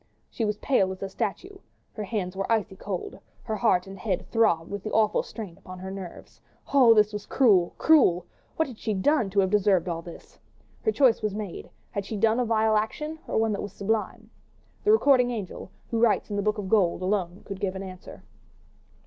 She was pale as a statue, her hands were icy cold, her head and heart throbbed with the awful strain upon her nerves. Oh, this was cruel! cruel! What had she done to have deserved all this? Her choice was made: had she done a vile action or one that was sublime? The recording angel, who writes in the book of gold, alone could give an answer.